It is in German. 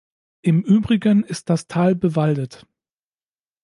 Im Übrigen ist das Tal bewaldet.